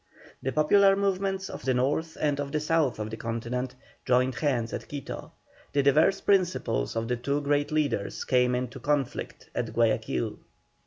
The popular movements of the North and of the South of the Continent, joined hands at Quito; the diverse principles of the two great leaders came into conflict at Guayaquil.